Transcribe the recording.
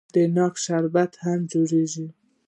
د ناک شربت هم جوړیږي.